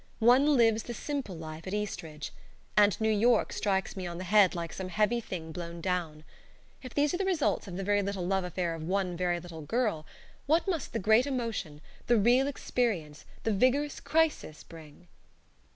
One lives the simple life at Eastridge; and New York strikes me on the head like some heavy thing blown down. If these are the results of the very little love affair of one very little girl what must the great emotion, the real experience, the vigorous crisis, bring?